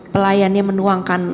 pelayan yang menuangkan